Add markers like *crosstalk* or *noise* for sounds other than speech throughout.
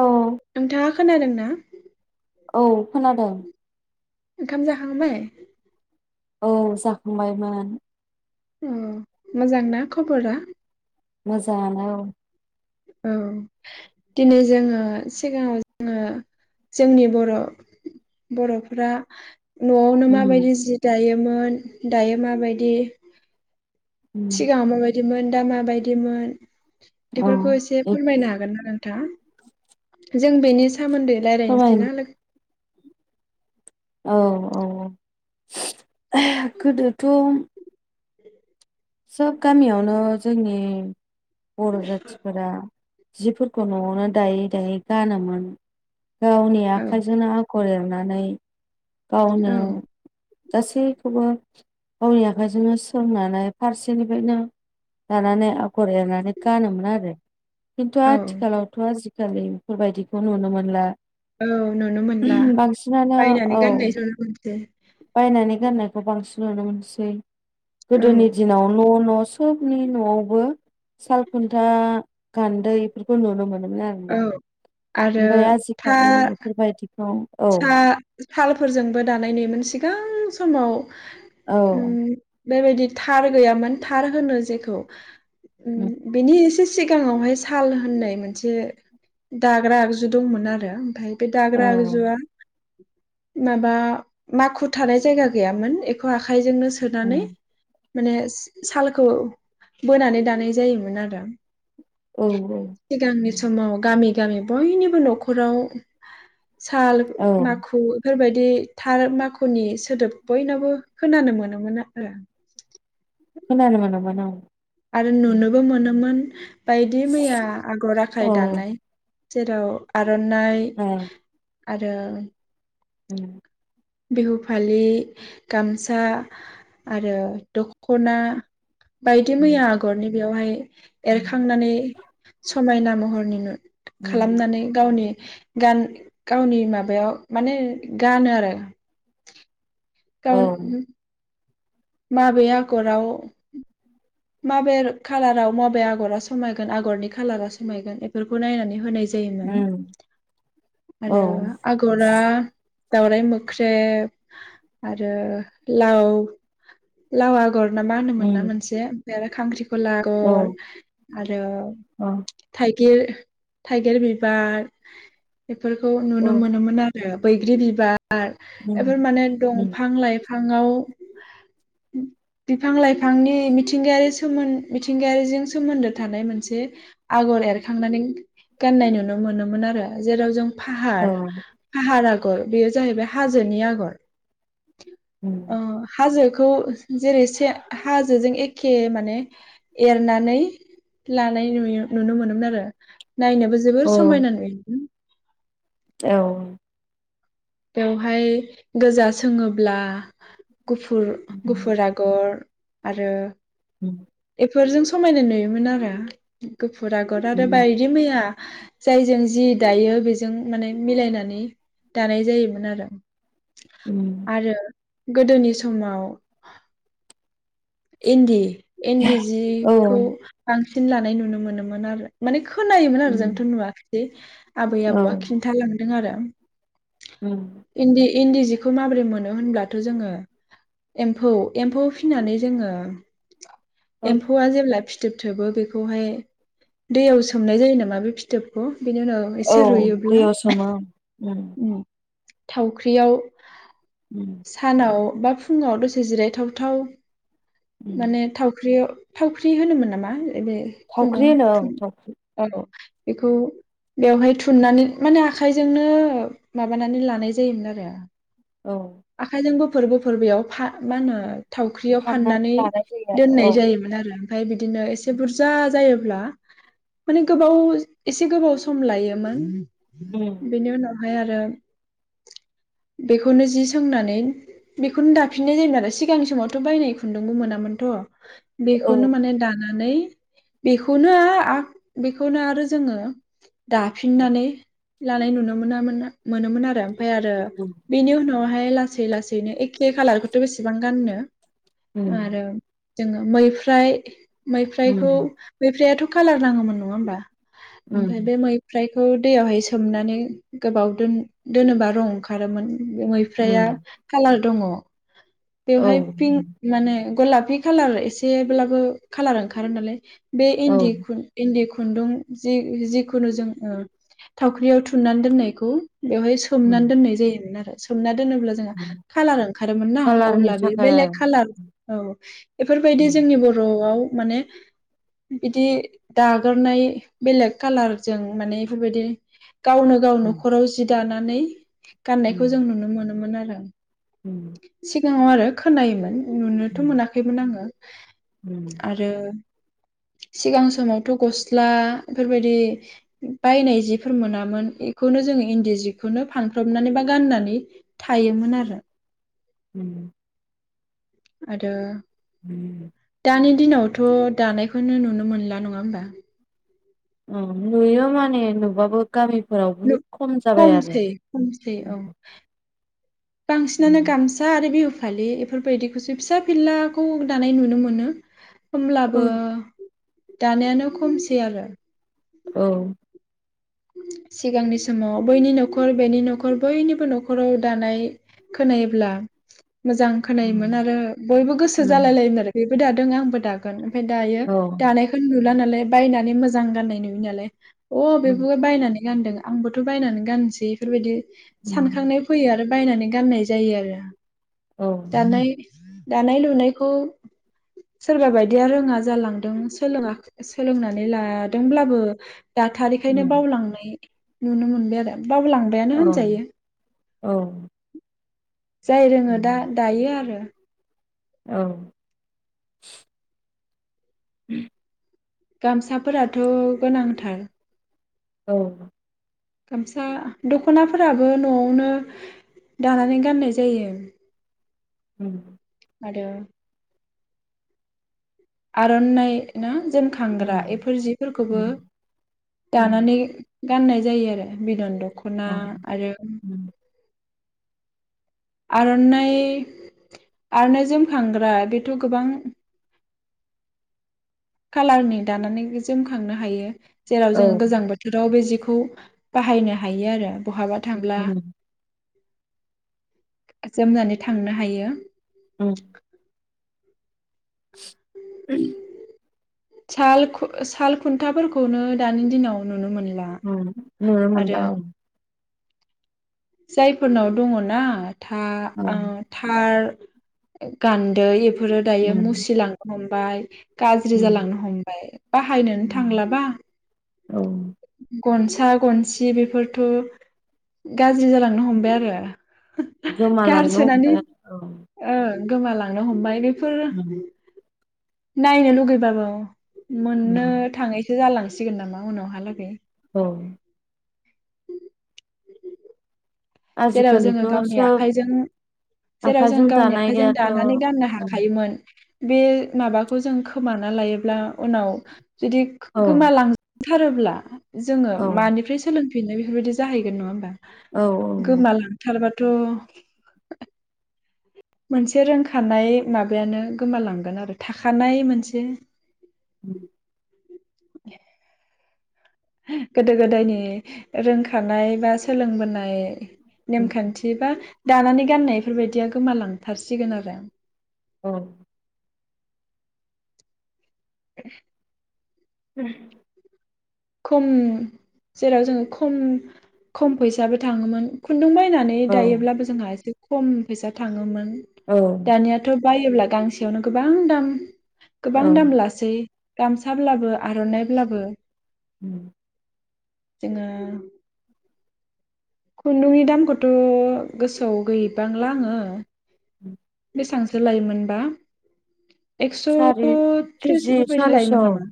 औ नोंथाङा खोनादों ना? औ खोनादों। ओंखाम जाखांबाय? औ जाखांबायमोन। औ मोजांना खबरा? मोजां ङानो औ औ दिनै जोङो सिगाङाव जोङो जोंनि बर' बर'फोरा न'आवनो उम माबायदि जि दायो। मोन दायो माबायदि उम सिगांङाव माबाय दिमोन दा माबायदिमोन। औ बेफोरखौ एसे फोरमायनो हागोन ना नोंथां? जों बेनि सोमोन्दै फोरमाय रायलायनोसै ना लोगो औ औ *unintelligible* गोदोथ' सब गामियावनो जोंनि बर' जाथिफोरा जिफोरखौ न'आवनो दायो। दाहाय गानो मोन। गावनि औ आखाइजोंनो आग र एरनानै गावनो औ गासैखौबो गावनि आखाइजोंनो सोंनानै फारसेनिफ्रायनो दानानै आगर एरनानै गानोमोन आरो खिन्थु औ आथिखालावथ' आजि खालि बेफोरबायदिखौ नुनो मोनला औ नुनो मोनला बायनानै गाननाय जोमनायखौ दे बाय बानायनानै गाननायखौ बांसिन नुनो मोनसै औ गोदोनि दिनाव न' न' सबनि न'आवबो सालखुन्था गान्दैफोरखौ नुनो मोनो औ आरोना आरो ओमफ्राय था आजिखालि बेफोरबायदि सा सालफोरजोंबो दानाय नुयोमोन सिगां समाव औ उम बेबायदि थार गैयामोन थार होनो जेखौ उ उम बेनि एसे सिगाङावहाय साल होननाय मोनसे दाग्रा आगजु दंमोन आरो ओमफ्राय बे औ दाग्रा आगजुआ माबा माखु थानाय जायगा गैयामोन बेखौ आखाइजोंनो सोनानै उम माने सालखौ बोनानै दानाय जायोमोन आरो। औ सिगांनि उम समाव गामि गामि बयनिबो न'खराव साल औ माखु बेफोरबाय बिदि थार माखुनि सोदोब बयनावबो खोनानो मोनोमोन आरो खोनानो मोनोमोन औ आरो नुनोबो मोनोमोन *inaudible* बायदि मैया आगर औ आखाय दानाय जेराव आरननाइ औ आरो उम बिहु फालि गामसा आरो दखना बायदि मैया आगरनि बेयावहाय औ एरखांनानै समायना महरनि नु उम खालामनानै गावनि गान गावनि माबायाव माने गानो आरो औ गाव माबे आगराव माबेर कालाराव माबे आगरा समायगोन आगरनि खालारा समायगोन इफोरखौ नायनानै होनाय जायोमोन औ आरो आगरा दावराइ मोख्रेब आरो लाव लावा गरना मा होनोमोन ना औ मोनसे बे आरो खांख्रि खला आगर आरो थाइ गिर थाइगिर बिबार बेफोरखौ नुनो मोनोमोन आरो बैग्रि बिबा र उम एफोर माने उम दंफां लाइफां फांआव बिफां लाइफांनि मिथि थिंगायारि सोमन मिथिंगायारिजों सोमोन्दो थानाय मोनसे आगर एरखांनानै गाननाय नुनो मोनोमोन आरो जेराव जों फाहार औ फाहार आग गर बेयो जाहैबाय हाजोनि आगर ओ उम, हाजोख खौ जेरै से हाजोजों ए खे माने एरनानै लानाय नुयो नुनो मोनोमोन आरो नायनोबो जोबोर औ समायना नुयोमोन। औ बेवहाय गोजा सोङोब्ला गुफुर उम, गुफुर आगर आरो उम फोरजों समायना नुयोमोन आरो फुरा आगर आरो उम, बायदि मैया जायजों जि दायो बेजों माने मिलायनानै दानाय जायोमोन आरो उम, आरो गोदोनि समाव इन्दि इन्दि औ जिखौ बांसि सिन लानाय नुनो मोनोमोन आरो माने खोनायोमोन आरो उम, जोंथ' नुवाखै आबै औ आबौआ खिन्था लां दों आरो उम इन्दि इन्दि जिखौ माबोरै मोनो होनब्लाथ जोङो एम्फौ एम्फौ फिनानै जोङो औ एम्फौआ जेब्ला फि फिथोब थोबो बेखौहाय दैयाव सोमनाय जायो नामा बे फिथोबखौ? बेनि उनाव एसे औ रुयोब्ला दैयाव सोमो उम थावख्रियाव उम, सानाव बा फुङाव दसे जिरायथावथाव उम, माने थावख्रियाव थावख्रि होनोमोन नामा? बे खुन्दुं थावख्रि होनो ओं थुन थावख्रि औ बेखौ बेवहाय थुननानै माने आखाइजोंनो माबानानै लानाय जायोमोन आरो। औ आखाइजोंबो फोरबो फोरबोयाव फा मा होनो उम, थावख्रियाव फाननानै लानाय जायो आरो दोननाय औ जायोमोन आरो ओमफ्राय बिदिनो एसे बुरजा जायो। ब्ला माने गोबाव एसे गोबाव सम लायोमोन। उम, बिनि उनाव फाय आरो बेखौनो जि सोंनानै बेखौनो दाफिननाय जायोमोन आरो सिगांनि समावथ बायनाय खुन्दुंबो मोनामोनथ। औ बेखौनो माने दाना नै बेखौनो आ बेखौनो आरो जोङो दाफिननानै लानाय नुनो मोनामोन मोनोमोन आरो। ओमफाय आरो उम, बेनि उनाव हाय लासै लासैनो एखे खाालारखौथ बेसेबां गाननो। उम, आरो जोङो मैफ्राय मैफ्रायखौ उम, मैफ्रायाथ कालार नाङामोन नङा होमबा? ओमफाय उम, बे मैफ्राय बेखौ दैयावहाय सोमनानै गोबाव दो-दोनोबा रं ओंखारोमोन ओम मैफ्राया उम, कालार दङ औ बेवहाय पिं माने गलाफि खालार एसेब्लाबो खालार ओंखारो नालाय बे औ इन्दि खु इन्दि खुन्दुं जि-जिखुनु जों ओ थावख्रियाव थुननानै दोननाय बेखौ बेवहाय उम, सोमनानै दोननाय जायोमोन आरो सोमना दोनोब्ला जोंहा उम, खाालार ओंखारोमोन ना कालारनि अब्ला बे थाखाय बेलेग आरो कालार औ बेफोरबायदि उम, जोंनि बर'आव माने बिदि दाग्रोनाय बेलेग कालारजों माने इफोरबायदि गावनो गाव उम, न जि दानानै गाननायखौ उम, जों नुनो मोनोमोन आरो। उम *unintelligible* *inaudible* खोनायोमोन नुनोथ' उम, मोनाखैमोन आङो उम, आरो सिगां समावथ' गस्ला बेफोरबायदि बायनाय जिफोर मोनामोन बेखौनो जोङो इन्दि जिखौनो फांफ्र्रबनानै बा गाननानै थायोमोन आरो *inaudible* आरो ओम दानि दिनावथ' दानायखौनो नुनो मोनला नङा होमबा अ नुयो माने नुबुबाबो गामि खमसै खमसै औ बांसिनानो गामसा आरो बि फलि बेफोरबायदिखौसो फिसा फिलाखौ दानाय नुनो मोनो। औ होमब्लाबो दानायानो खमसै आरो औ सिगांनि समाव बैनि न'खर बेनि न'खर बयनिबो न'खराव दानाय खोनायोब्ला मोजां खोनायोमोन आरो बयबो गोसो जालाय लायोमोन आरो बो दादों आंबो दागोन ओमफ्राय दायो औ दानायखौनो नुला नालाय बायनानै मोजां गाननाय नुयो नालाय अ बायनानै गानदों आंबोथ' बायनानै गाननोसै इफोरबायदि सानखांनाय फैयो आरो बायनानै गाननाय जायो आरो दानाय दानाय लुनायखौ सोरबा बायदिया रोङा जालांदों सोलों सोलोंनानै लादोंब्लाबो दाथ' बेनिखायनो बावलांनाय नुनो मोनबाय आरो बाबो लांबायानो होनजायो औ जाय रोङो दा दायो आरो औ *unintelligible* गामसाफोराथ' गोनांथार। औ गामसा दख'नाफोराबो न'आवनो दानानै गाननाय जायो। ओम आरो आर'ननाइ ना जोमखांग्रा नुनो बेफोर जिफोरखौबो दानानै गाननाय जायो आरो बिदनन्द' दखना आरो आर'ननाइ आर'ननाइजों खांग्रा बेथ' गोबां कालारनि दानानै जोमखांनो हायो जेराव जोङो गोजां बोथोराव बे जि खौ बाहायनो हायो आरो बहाबा थांब्ला जोमनानै थांनो हायो औ उम साल साल खुन्थाफोरखौनो दानि दिनाव नुनो मोनो नुनो मोनला औ जायफोरनाव दङना था औ ओ थार गान्दै बे फोरो दायो मुसिलांनो हम बाय गाज्रि जालांनो हमबाय बाहायनोन थांलाबा औ गनसा गनसि बेफोरथ' गाज्रि जालांनो हमबाय आरो गोमालांनो गारसोनानै हमबाय आरो औ ओ गोमालांनो हमबाय बे फोर नायनो लुगैबाबो मोननो थाङैसो जालां सिगोन नामा उनावहालागै औ *inaudible* जेराव जोङो आजिखालिथ' गावनि सोब आखाइजों जेराव जों आखाइजों गावनि आखाइजों दानायाथ' औ दानानै गाननो औ हाखायोमोन बे माबाखौ जों खोमाना लायोब्ला उनाव जुदि गोमालां थारोब्ला जोङो औ मानिफ्राय सोलों फिननाय बेफोरबायदि जाहैगोन नङा होनबा औ गोमालांथारबा थ' मोनसे रोंखानाय माबायानो गोमालांगोन आरो थाखानाय मोनसे उम गोदो गोदायनि रोंखानाय बा सोलोंबोनाय नेमखान्थि बा दानानै गाननाय इफोरबायदिया गोमालांथारसिगोन आरो औ *inaudible* उम खम जेराव जोङो खम खम फैसाबो थाङोमोन खुन्दुं बाय नानै औ दायोब्लाबो जोंहा एसे खम फैसा थाङोमोन। औ दानियाथ' बायोब्ला गांसेयावनो गोबां दाम गोबां औ दाम लासै गामसाब्लाबो आर'ननायब्लाबो उम जोङो खुन्दुंनि दामखौथ' गोसोआव गैबांला आङो उम बेसांसो लायोमोनबा एक्स' सारि थ्रिस केजि बेफोरबायदि सारिस' लायोमोन नामा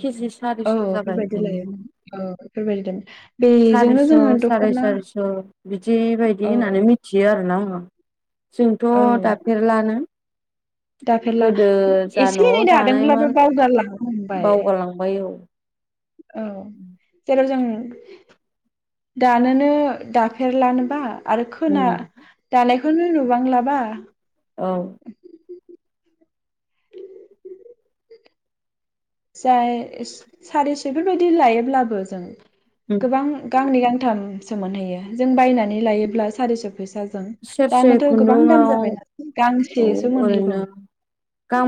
केजि औ सारिस' जाबाय बेफोरबायदि लायोमोन औ *unintelligible* बेजोंनो सारिस' जोङोथ साराय सारिस' बिदि बायदि होननानै मिथियो आरोना जोंथ' औ दाफेरलानो दाफेरला गोदो जा एसे न'आव एनै दानायमोन दादोंब्लाबो बावगारलांनो हमबाय बावगारलांबाय औ औ जेराव जों *unintelligible* दानोनो दाफेरलानोबा आरो उम खोना दानाय बेखौनो नुबांलाबा औ जाय सारिस' फोरबायदि लायोब्लाबो जों उम गोबां गांनै गां थामसो मोनहैयो जों बायनानै लायोब्ला सारिस' फैसा सेरसे खुन्दुुंआव गांसेसो ओरैनो मोनहैबावो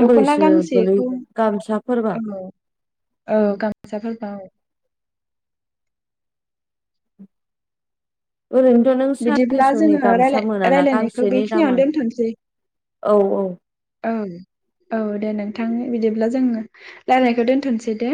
दख'ना गांसेखौ गोलैगोन गामसाफोर औ औ गामसाफोरफोरखौ ओरैनोथ' नों बिदिब्ला सारिस'नि जोङो गामसा रायलाय मोनाना रायलायनायखौ गांसेनि बेखिनियावनो दोनथ'नोसै दामानो औ औ औ औ दे नोंथां बिदिब्ला जों रायनायखौ दोनथ'सै दे